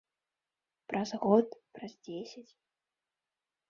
Праз год, праз дзесяць?